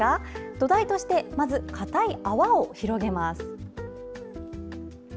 土台としてまずかたい泡を広げます。